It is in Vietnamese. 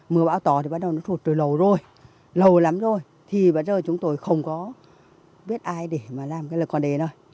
mưa bão tỏ thì bắt đầu nó sụt từ lâu rồi lâu lắm rồi thì bây giờ chúng tôi không có biết ai để mà làm cái lợi còn đề nữa